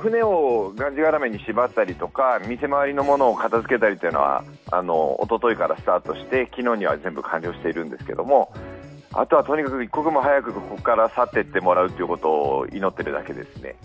船をがんじがらめに縛ったり店のものは片づけたりとかはおとといからスタートして昨日には全部完了しているんですが、あとはとにかく一刻も早くここから去っていってもらうことを祈るばかりですね。